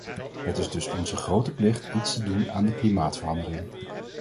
Het is dus onze grote plicht iets te doen aan de klimaatverandering.